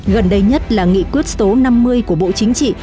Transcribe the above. gần đây nhất là nghị quyết số năm mươi của bộ chính trị